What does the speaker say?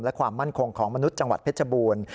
และความมั่นคงของมนุษย์จังหวัดเพชรบูรณ์